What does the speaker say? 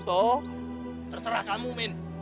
terserah kamu min